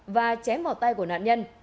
và chém vào tay của nạn nhân